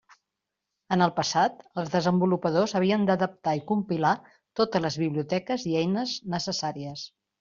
En el passat, els desenvolupadors havien d'adaptar i compilar totes les biblioteques i eines necessàries.